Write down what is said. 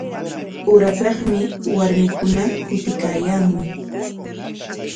Urapikmi warmikuna kutiykaayaamun.